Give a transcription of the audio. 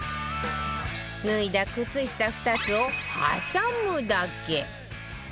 脱いだ靴下２つを挟むだけ！